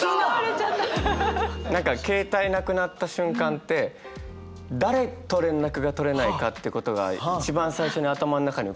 何か携帯なくなった瞬間って誰と連絡が取れないかってことが一番最初に頭の中に浮かぶと思うんですよ。